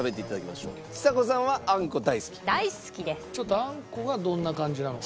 あんこがどんな感じなのか。